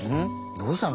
どうしたの？